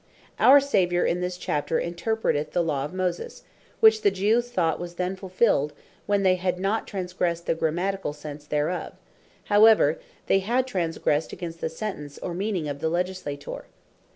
Our Saviour in this Chapter interpreteth the Law of Moses; which the Jews thought was then fulfilled, when they had not transgressed the Grammaticall sense thereof, howsoever they had transgressed against the sentence, or meaning of the Legislator.